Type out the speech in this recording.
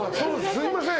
すみません。